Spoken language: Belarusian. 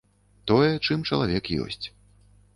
Тое, чым чалавек ёсць.